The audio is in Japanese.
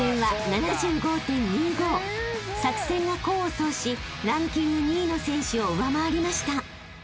［作戦が功を奏しランキング２位の選手を上回りました］